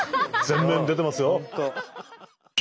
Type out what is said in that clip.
前面に出てますよ。